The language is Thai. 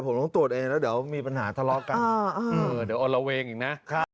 ผมต้องตรวจเองแล้วเดี๋ยวมีปัญหาทะเลาะกันเดี๋ยวอ่อนระเวงอีกนะ